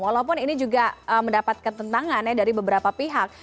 walaupun ini juga mendapatkan tentangannya dari beberapa pihak